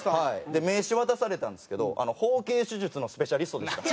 で名刺渡されたんですけど包茎手術のスペシャリストでした。